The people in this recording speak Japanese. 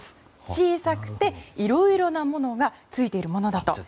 小さくて、いろいろなものがついているものだと。